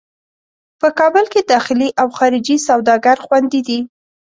په کابل کې داخلي او خارجي سوداګر خوندي دي.